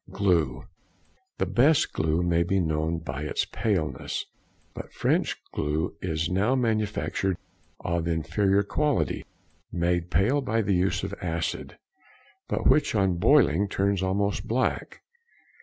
Glue.—The best glue may be known by its paleness, but French glue is now manufactured of inferior quality, made pale by the use of acid, but which on boiling turns almost black.